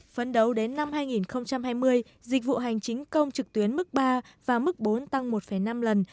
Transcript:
phấn đấu đến năm hai nghìn hai mươi dịch vụ hành chính công trực tuyến mức ba và mức bốn tăng một năm lần